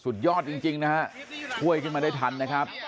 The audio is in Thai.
สุดยอดจริงนะฮะช่วยขึ้นมาได้ทันนะครับ